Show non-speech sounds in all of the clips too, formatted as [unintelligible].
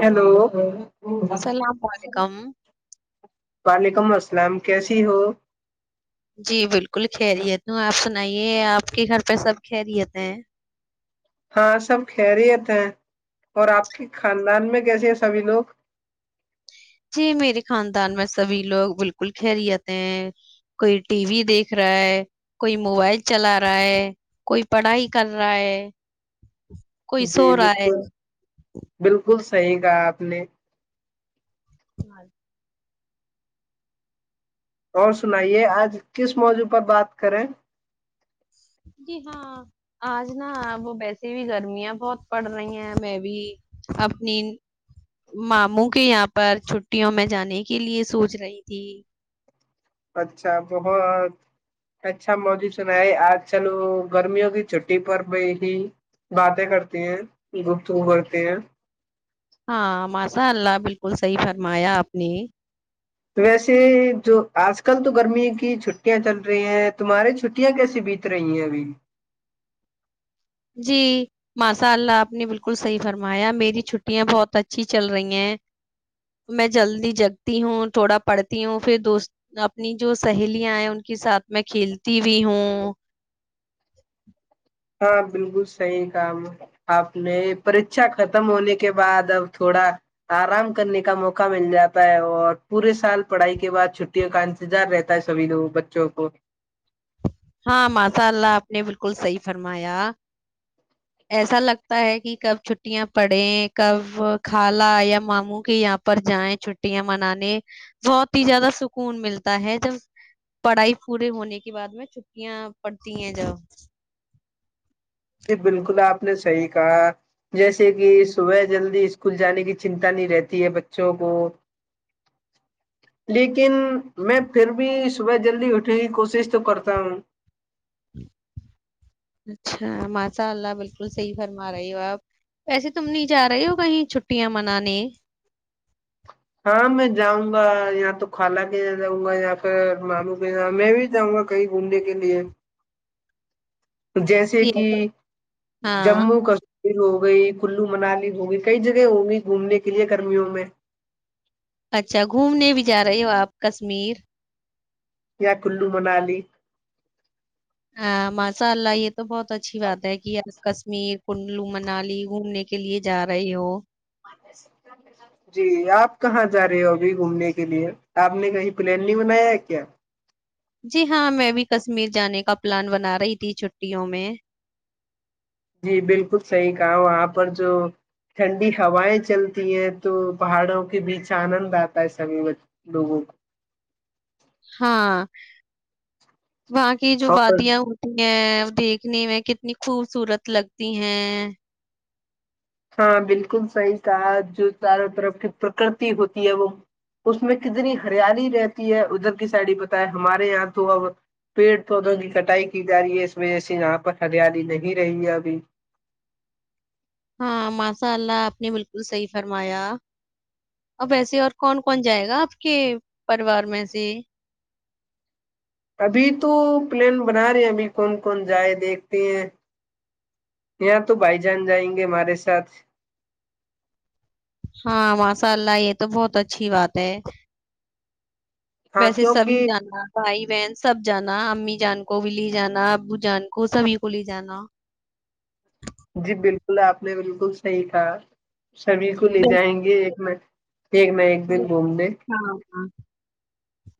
hello السلام علیکم وعلیکم السلام کیسی ہو جی بالکل خیریت ہوں آپ سنائیے آپ کے گھر پہ سب کیریت ہیں ہاں سب کہ رہےتے ہیں اور آپ کی خاندان میں کیسے ہیں سبھی لوگ جی میرے خاندان میں سبھی لوگ بالکل کھیل جے ہیں کوئی ٹی وی دیکھ رہا ہے کوئی موبائل چلا رہا ہے کوئی پڑھائی کر رہا ہے کوئی جی سو رہا ہے بالکل بالکل صحی کہا آپ نے ہ [unintelligible] اور سنائیے آج کس موضوع پر بات کریں جی ہاں آج نا وہ ویسے بھی گرمیاں بہت پڑ رہی ہیں میں بھی اپنی ماموں کے یہاں پر چھٹیوں میں جانے کے لیے سوچ رہی تھی اچھا بہت اچھا مجی سنا ہے آج چل وہ گرمیوں کی چھٹی پر بھی ہی باتیں کرتی ہیں گپت کرتے ہیں ہاں ماشاء اللہ بالکل صحیح فرمایا آپ نے تو ویسے جو آج کل تو گرمی کی چھٹیاں چل رہی ہیں تمہارے چھٹیاں کیسے بیت رہی ہیں ابھی جی ماشاء اللہ آپ نے بالکل صحیح فرمایا میری چھٹیاں بہت اچھی چل رہی ہیں میں جلدی جگتی ہوں تھوڑا پڑھتی ہوں پھر دوست اپنی جو سہیلیاں ہیں ان کے ساتھ میں کھیلتی بھی ہوں ہاں بالکل صحیح کام آپ نے پکھا ختم ہونے کے بعد اب تھوڑا آرام کرنے کا موقع مل جاتا ہے اور پورے سال پڑھائی کے بعد چھٹیوں کا انتظار رہتا ہے سبھی لوگ بچوں کو ہاں ماشاء اللہ آپ نے بالکل صحیح فرمایا ایسا لگتا ہے کہ کب چھٹیاں پڑیں کب کالا یا ماموں کی یہاں پر جائیں چھٹیاں منانے بہت ہی زیادہ سکون ملتا ہے جب پڑھائی پورے ہونے کے بعد میں چ کیاں پڑتی ہیں جا ج بالکل آپ نے صحیح کہا جیسے کہ صبح جلدی اسکول جانے کی چنتا نہیں رہتی ہے بچوں کو لیکن میں پھر بھی صبح جلدی اٹھے کی کوشش تو کرتا ہوں اچھا ماشاء اللہ بالکل صحیح فرما رہے ہو آپ ویسے تم نہیں جا رہے ہو کہیں چھٹیاں منانے ہاں میں جاؤں گا یااں تو خالہ کے یہاں جاؤں گا یا پھر ملو کے میں بھی جاؤں گا کہیں گھومنے کے لیے جیسے یا کہ تو ہاں جموں کشمیر ہو گئی کلو منالی ہو گئی کئی جگہ ہوں گی گھومنے کے لیے گرمیوں میں اچھا گھومنے بھی جا رہے ہو آپ کشمیر یا کلو منالی ہاں مسالہ یہ تو بہت اچھی بات ہے کہ یار کشمیر کنلو منالی گھومنے کے لیے جا رہے ہو جی آپ کہاں جا رہے ہو ابھی گھومنے کے لیے آپ نے کہیں پلان نہیں بنایا ہے کیا جی ہاں میں بھی کشمیر جانے کا پلان بنا رہی تھی چھٹیوں میں جی بالکل صحیح کہا وہاں پر جو ٹھنڈی ہوائیں چلتی ہیں تو پہاڑوں کے بیچ آنند آتا ہے سبھی لوگوں کو ہاں وہاں کی جو کو اور وادیاں ہوتی ہیں دیکھنے میں کتنی خوبصورت لگتی ہیں ہاں بالکل صحیح کہ جو چاروں طرف کی پرکرتی ہوتی ہے وہ اس میں کتنی ہریالی رہتی ہے ادھر کی سائڈی بت ہے ہمارے یہاں تو اب پیڑ پودوں کی کٹائی کی جا رہی ہے اس وجہ سے یہاں پر ہریالی نہیں رہی ہے ابھی ہاں ماشاء اللہ آپ نے بالکل صحیح فرمایا اب ویسے اور کون کون جائے گا آپ کے پریوار میں سے ابھی تو پلین بنا رہے ہیں ابھی کون کون جائے دیکھتے ہیں اں تو بھائی جان جائیں گے ہمارے ساتھ ہاں ماشاء اللہ یہ تو بہت اچھی بات ہے ہاں ویسے سبھی کیونکہ جانا بھائی بہن سب جانا امی جان کو ولی جانا ابو جان کو سبھی کو لے جانا جی بالکل آپ نے بالکل صحیح کہا سبھی کو لے جائیں گے ایک منٹ ایک میں ایک دن بالکل، گھوم د ہاں ہاں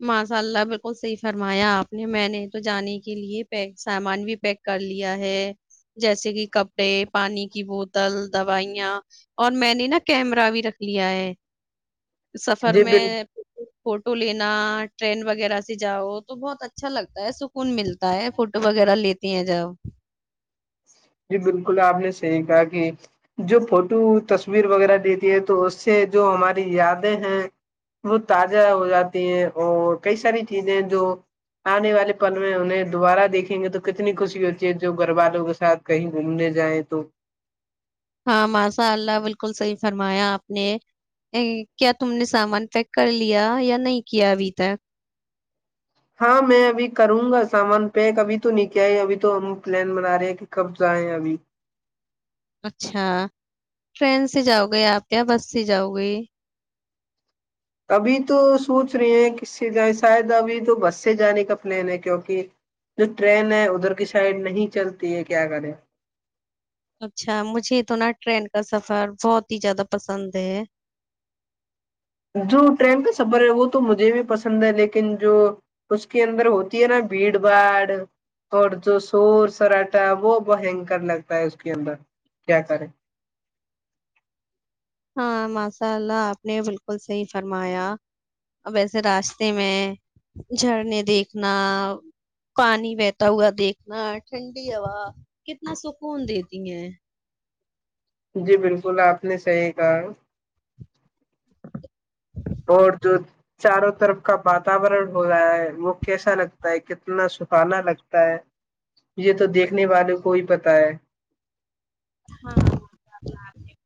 ماشاء اللہ بالکل صحیح فرمایا آپ نے میں نے تو جانے کے لیے پیک سامان بھی پیک کر لیا ہے جیسے کہ کپڑے پانی کی بوتل دوائیاں اور میں نے نا کیمرہ بھی رکھ لیا ہے سفر جی میں بالکل فوٹو لینا ٹرین وغیرہ سے جاؤ تو بہت اچھا لگتا ہے سکون ملتا ہے فوٹو وغیرہ لیتی ہیں جاؤ جی بالکل آپ نے صحیح کہا کہ جو فوٹو تصویر وغیرہ دیتی ہے تو اس سے جو ہماری یادیں ہیں وہ تازہ ہو جاتی ہیں اور کئی ساری چیزیں جو آنے والے پل میں انہیں دوبارہ دیکھیں گے تو کتنی خوشی ہوتی ہے جو گھر والوں کے ساتھ کہیں گھومنے جائیں تو ہاں ماشاء اللہ بالکل صحیح فرمایا آپ نے کیا تم نے سامان پیک کر لیا یا نہیں کیا ابھی تک ہاں میں ابھی کروں گا سامان پیک ابھی تو نہیں کیا آئے ابھی تو ہم پلان بنا رہے ہیں کہ کب جائیں ابھی اچھا ٹرین سے جاؤ گے آپ یا بس سے جاؤ گے ابھی تو سوچ رہی ہیں ک شاید ابھی تو بس سے جانے کا پلان ہے کیوںکہ جو ٹرین ہے ادھر کی سائڈ نہیں چلتی ہے کیا کریں اچھا مجھے تو نا ٹرین کا سفر بہت ہی زیادہ پسند ہے جو ٹرین کا سفر ہے وہ تو مجھے بھی پسند ہے لیکن جو اس کے اندر ہوتی ہے نا بھیڑ بھاڑ اور جو شور سراٹا وہ بنکر لگتا ہے اس کے اندر کیا کریں ہاں ماشاء اللہ آپ نے بالکل صحیح فرمایا ا ویسے راستے میں جھرنے دیکھنا پانی بہتا ہوا دیکھنا ٹھنڈی ہوا کتنا سکون دیتی ہیں جی بالکل آپ نے صحیح کہا [inaudible] اور جو چاروں طرف کا واتورن ہو رہا ہے وہ کیسا لگتا ہے کتنا سہانا لگتا ہے یہ تو دیکھنے والوں کو ہی پت ہے ہاں ہے [unintelligible]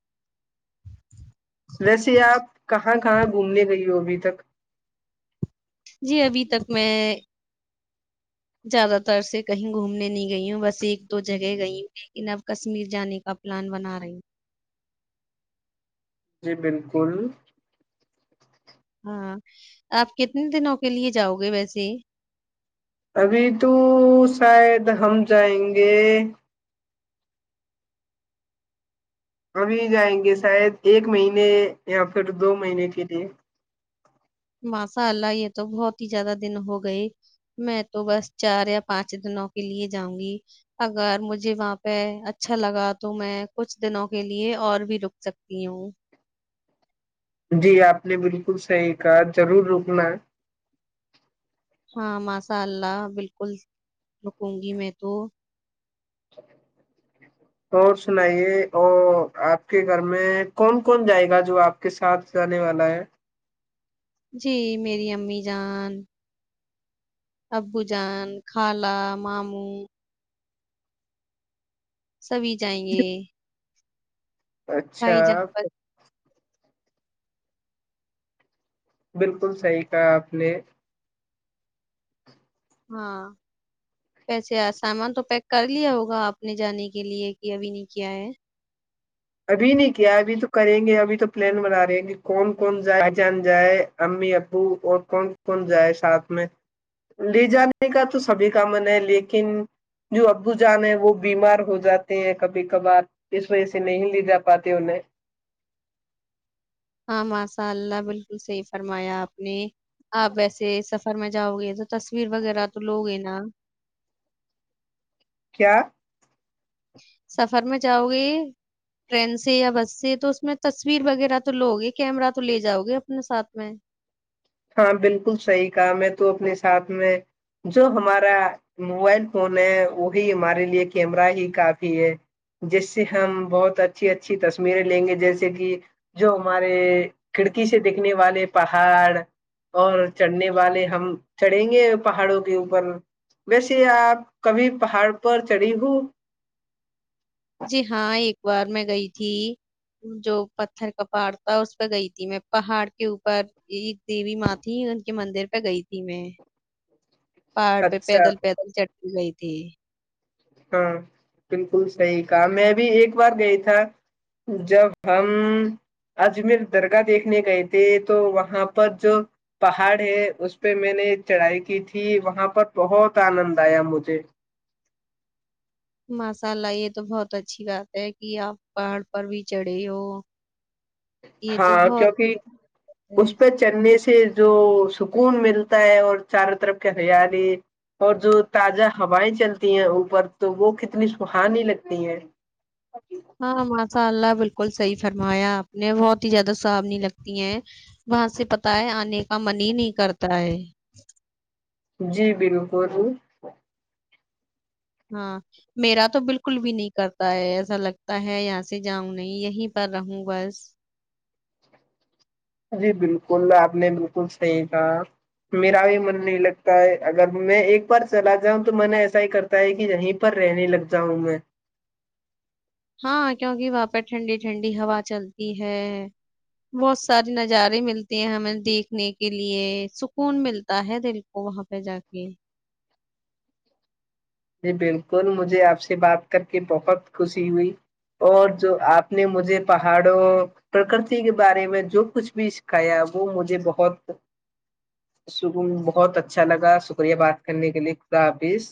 ویسے آپ کہاں کہاں گھومنے گئ ہو ابھی تک جی ابھی تک میں زیادہ تر سے کہیں گھومنے نہیں گئی ہوں بس ایک دو جگہ گئی ہوں لیکن اب کشمیر جانے کا پلان بنا رہی ہوں جی بالکل ہاں آپ کتنے دنوں کے لیے جاؤ گے ویسے ابھی تو شاید ہم جائیں گے ابھی جائیں گے شاید ایک مہینے یا پھر دو مہینے کے لیے ماساء اللہ یہ تو بہت ہی زیادہ دن ہو گئے میں تو بس چار یا پانچ دنوں کے لیے جاؤں گی اگر مجھے وہاں پہ اچھا لگا تو میں کچھ دنوں کے لیے اور بھی رک سکتی ہوں جی آپ نے بالکل صحیح کہا ضرور رکنا ہاں ماشاء اللہ بالکل رکوں گی میں تو اور سنائیے ا آپ کے گھر میں کون کون جائے گا جو آپ کے ساتھ رہاننے والا ہے جی میری امی جان ابو جان خالا ماموں سبھی جائیں گے اچھا بھائی جان بس [unintelligible] بالکل صحیح کہا آپ نے ہاں پسے سامان تو پیک کر لیا ہوگا آپ نے جانے کے لیے کہ ابھی نہیں کیا ہے ابھی نہیں کیا ابھی تو کریں گے ابھی تو پلان بنا رہے ہیں کہ کون کون جائے جان جائے امی ابو اور کون کون جائے ساتھ میں لے جانے کا تو سبھی کا من ہے لیکن جو ابو جان ہے وہ بیمار ہو جاتے ہیں کبھی کبھار اس وجہ سے نہیں لدا پاتات ان نے ہاں ماشاء اللہ بالکل صحیح فرمایا آپ نے آپ ویسے سفر میں جاؤ گے تو تصویر وغیرہ تو لوگ ہیں نا کیا [unintelligible] سفر میں جاؤ گے ٹرین سے یا بس سے تو اس میں تصویر وغیرہ تو لوؤ گے کیمرہ تو لے جاؤ گے اپنے ساتھ میں ہاں بالکل صحیح کہا میں تو اپنے ساتھ میں جو ہمارا موبائل فون ہے وہی ہمارے لیے کیمرہ ہی کافی ہے جس سے ہم بہت اچھی اچھی تصویریں لیں گے جیسے کہ جو ہمارے کھڑکی سے دیکھنے والے پہاڑ اور چڑھنے والے ہم چڑھیں گے پہاڑوں کے اوپر ویسے آپ کبھی پہاڑ پر چڑھی ہو جی ہاں ایک بار میں گئی تھی جو پتھر کپاڑ تھا اس پہ گئی تھی میں پہاڑ کے اوپر ایک دیوی ماں تھی ان کے مندر پہ گئی تھی میں پہاڑ پہ اچھا، پیدل پیدل چ گئی تھی ہاں بالکل صحیح کہا میں بھی ایک بار گئی تھا جب ہم اجمیر درگاہ دیکھنے گئے تھے تو وہاں پر جو پہاڑ ہے اس پہ میں نے چڑھائی کی تھی وہاں پر بہت آنند آیا مجھے ماشاء اللہ یہ تو بہت اچھی بات ہے کہ آپ پہاڑ پر بھی چڑھے ہو یہ تو ہاں بہت کیونکہ بات ہے اس پہ چلنے سے سے جو سکون ملتا ہے اور چاروں طرف کے ہیالی اور جو تازہ ہوائیں چلتی ہیں اوپر تو وہ کتنی سہانی لگتی ہیں ہاں ماشاء اللہ بالکل صحیح فرمایا آپ نے بہت ہی زیادہ صاابنی لگتی ہیں وہاں سے پت ہے آنے کا من ہی نہیں کرتا ہے جی بالکول ہاں میرا تو بالکل بھی نہیں کرتا ہے ایسا لگتا ہے یہاں سے جاؤں نہیں یہیں پر رہوں بس جی بالکل آپ نے بالکل صحیح کہا میرا بھی من نہیں لگتا ہے اگر میں ایک بار چلا جاؤں تو میں نے ایسا ہی کرتا ہے کہ یہیں پر رہنے لگ جاؤں میں ہاں کیونکہ وہاں پہ ٹھنڈی ٹھنڈی ہوا چلتی ہے بہت ساری نظارے ملتے ہیں ہمیں دیکھنے کے لیے سکون ملتا ہے دل کو وہاں پہ جا کے جی بالکل مجھے آپ سے بات کر کے بہت خوشی ہوئی اور جو آپ نے مجھے پہاڑوں پرکرتی کے بارے میں جو کچھ بھی سکھایا وہ مجھے بہت بہت اچھا لگا شکریہ بات کرنے کے لیے خدا حافظ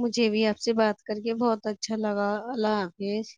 مجھے بھی آپ سے بات کر کے بہت اچھا لگا اللہ حافظ